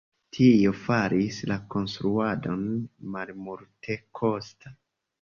Tio faris la konstruadon malmultekosta.